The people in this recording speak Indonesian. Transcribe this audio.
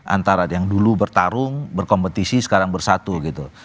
antara yang dulu bertarung berkompetisi sekarang bersatu gitu